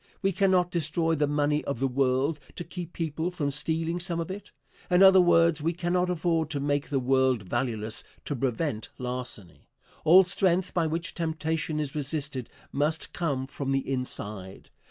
We cannot destroy the money of the world to keep people from stealing some of it. In other words, we cannot afford to make the world valueless to prevent larceny. All strength by which temptation is resisted must come from the inside.